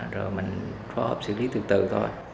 rồi mình phối hợp xử lý từ từ thôi